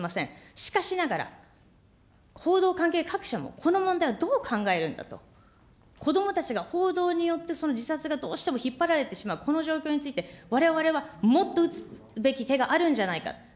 しかしながら、報道関係各社も、この問題をどう考えるんだと、子どもたちが報道によって自殺がどうしても引っ張られてしまう、この状況についてわれわれはもっと打つべき手があるんじゃないか。